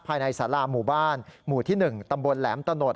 ภายในสาราหมู่บ้านหมู่ที่๑ตำบลแหลมตะโนด